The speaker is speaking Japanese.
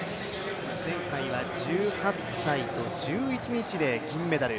前回は１８歳と１１日で金メダル。